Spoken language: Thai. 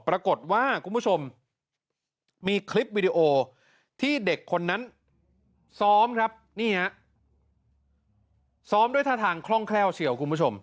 ปรากฏว่าคุณผู้ชมมีคลิปวิดีโอที่เด็กคนนั้นซ้อมครับนี่ฮะซ้อมด้วยท่าทางคล่องแคล่วเฉียวคุณผู้ชม